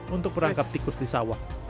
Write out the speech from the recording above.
untuk merangkap tikus di sawah